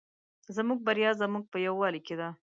زموږ بریا زموږ په یوالي کې ده